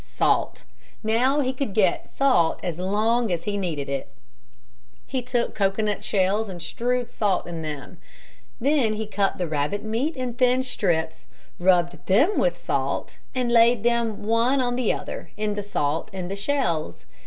Salt. Now he could get salt as long as he needed it. He took cocoanut shells and strewed salt in them. Then he cut the rabbit meat in thin strips, rubbed them with salt, and laid them one on the other in the salt in the shells.